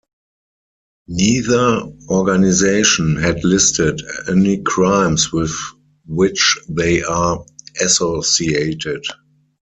Neither organization had listed any crimes with which they are associated.